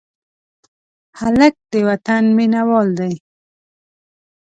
هلک د وطن مینه وال دی.